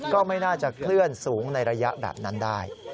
ก็ไม่น่าจะเคลื่อนสูงในระยะแบบนั้นได้